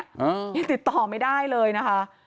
ยังติดต่อไม่ได้เลยนะคะ